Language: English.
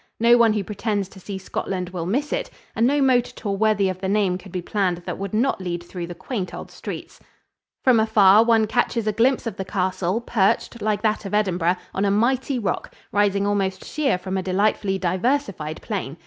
No one who pretends to see Scotland will miss it, and no motor tour worthy of the name could be planned that would not lead through the quaint old streets. From afar one catches a glimpse of the castle, perched, like that of Edinburgh, on a mighty rock, rising almost sheer from a delightfully diversified plain.